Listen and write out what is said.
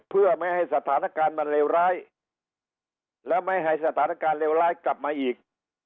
เพื่อไม่ให้สถานการณ์มันเลวร้ายและไม่ให้สถานการณ์เลวร้ายกลับมาอีก